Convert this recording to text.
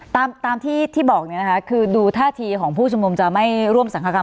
ตามตามที่ที่บอกเนี่ยนะคะคือดูท่าทีของผู้ชุมนุมจะไม่ร่วมสังคกรรม